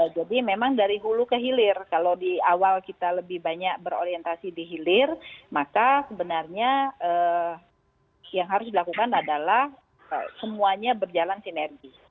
jadi memang dari hulu ke hilir kalau di awal kita lebih banyak berorientasi di hilir maka sebenarnya yang harus dilakukan adalah semuanya berjalan sinergi